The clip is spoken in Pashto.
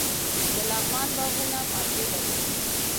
د لغمان باغونه مالټې لري.